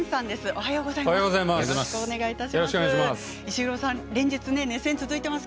おはようございます。